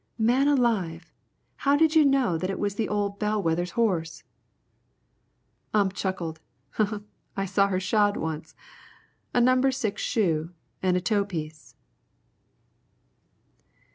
"Man alive! How did you know that it was the old bell wether's horse?" Ump chuckled. "I saw her shod once. A number six shoe an' a toe piece."